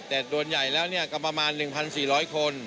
แต่ส่วนใหญ่แล้วก็ประมาณ๑๔๐๐คน